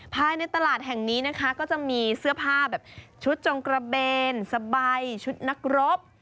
ภายในตลาดแห่งนี้นะคะก็จะมีเสื้อผ้าแบบชุดจงกระเบนสบายชุดนักรบ